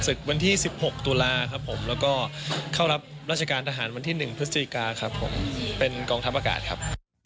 ศึกวันที่๑๖ตุลาครับผมแล้วก็เข้ารับราชการทหารวันที่๑พฤศจิกาครับผมเป็นกองทัพอากาศครับ